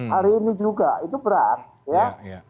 hari ini juga itu berat ya